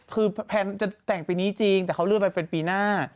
คือแพลนจะแต่งปีนี้จริงแต่เขาเลื่อนไปเป็นปีหน้า